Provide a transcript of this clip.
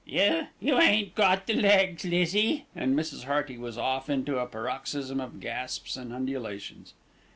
"You you ain't got the legs, Lizzie," and Mrs. Hearty was off into a paroxysm of gasps and undulations.